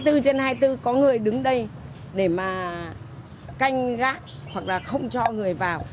nếu mà bây giờ chính quyền mà hai mươi bốn trên hai mươi bốn có người đứng đây để mà canh gã hoặc là không cho người vào